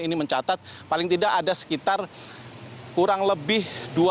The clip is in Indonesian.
ini mencatat paling tidak ada sekitar kurang lebih dua ratus sembilan puluh tiga